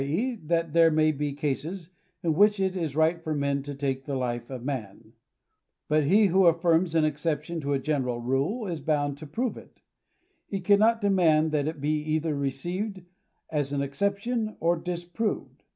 e., that there may be cases in which it is right for man to take the life of man. But he who affirms an exception to a general rule, is bound to prove it. He cannot demand that it be either received as an exception or disproved.